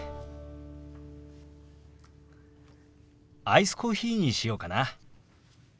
アイスコーヒーにしようかな。